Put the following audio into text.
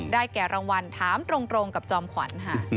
ได้แก่รางวัลถามตรงกับจอมขวัญ